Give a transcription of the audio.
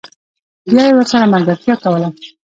بیا یې ورسره ملګرتیا کوله